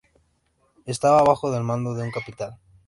Está bajo el mando de un capitán.